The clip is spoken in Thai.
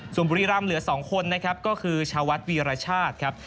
ส่วนบุรีรำเหลือ๒คนนะครับก็คือชาวัดวีรชาติครับ